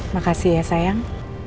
makasih ya sayang